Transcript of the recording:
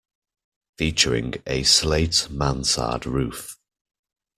Featuring a slate mansard roof.